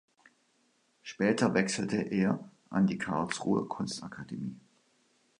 Später wechselte er an die Karlsruher Kunstakademie.